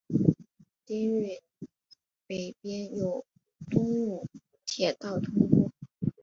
町域北边有东武铁道通过。